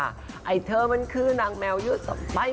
ไอ้เธอมันคือนางแมวเยอะไป